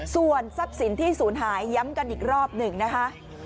ส่วนทรัพย์สินที่สูญหายย้ำกันอีกรอบ๑นะคะ